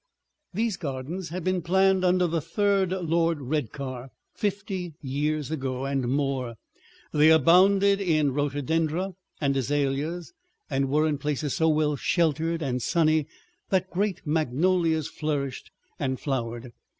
These gardens had been planned under the third Lord Redcar, fifty years ago and more; they abounded in rhododendra and azaleas, and were in places so well sheltered and sunny that great magnolias flourished and flowered.